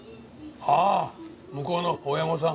ああ向こうの親御さん？